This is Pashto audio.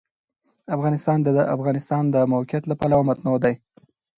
افغانستان د د افغانستان د موقعیت له پلوه متنوع دی.